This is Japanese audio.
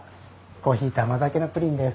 コーヒーと甘酒のプリンです。